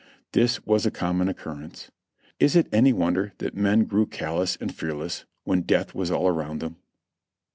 This was a com mon occurrence. Is it any wonder that men grew callous and fearless, when death was all around them?